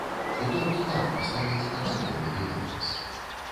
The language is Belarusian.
І толькі там паставяць канчатковы дыягназ.